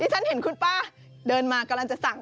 ฉันเห็นคุณป้าเดินมากำลังจะสั่ง